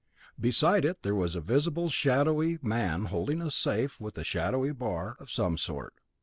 Beside it there was visible a shadowy man, holding the safe with a shadowy bar of some sort.